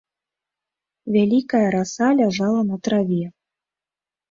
Вялікая раса ляжала на траве.